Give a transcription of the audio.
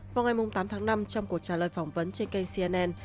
vào ngày tám tháng năm trong cuộc trả lời phỏng vấn trên kênh cnn